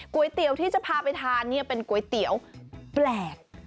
ก๋วยเตี๋ยวที่จะพาไปทานเป็นก๋วยเตี๋ยวแปลก